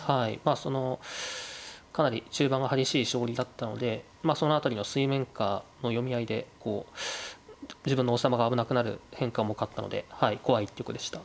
そのかなり中盤は激しい将棋だったのでその辺りの水面下の読み合いで自分の王様が危なくなる変化も多かったので怖い一局でした。